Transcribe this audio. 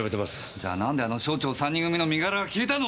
じゃあ何であの省庁３人組の身柄が消えたの！